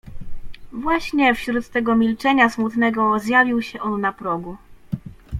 "Właśnie wśród tego milczenia smutnego zjawił się on na progu."